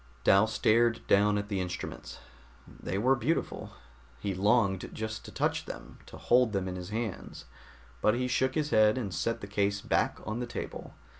Dal stared down at the instruments. They were beautiful. He longed just to touch them, to hold them in his hands, but he shook his head and set the case back on the table.